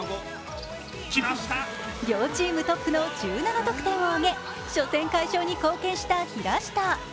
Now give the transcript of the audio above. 両チームトップの１７得点を挙げ初戦快勝に貢献した平下。